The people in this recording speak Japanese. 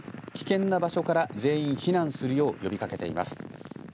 危険な場所から全員避難するよう呼びかけています。